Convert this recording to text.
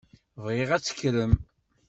Bɣiɣ ad tekkrem.